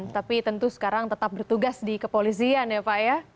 tapi tentu sekarang tetap bertugas di kepolisian ya pak ya